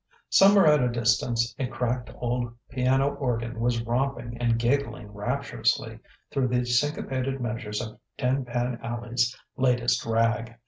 Somewhere at a distance a cracked old piano organ was romping and giggling rapturously through the syncopated measures of Tin Pan Alley's latest "rag."